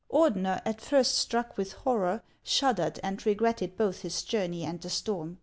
" Ordener, at first struck with horror, shuddered, and regretted both his journey and the storm.